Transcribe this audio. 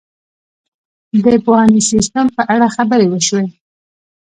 د پوهنیز سیستم په اړه خبرې وشوې.